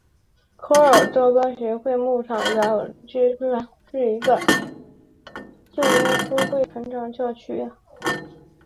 科尔多巴耶稣会牧场和街区的一个旧耶稣会传教区。